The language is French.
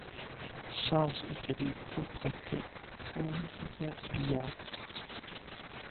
George était d'une propreté proverbiale.